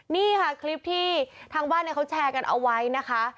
นี่ค่ะคลิปที่ทางบ้านเขาแชร์กันเอาไว้นะคะ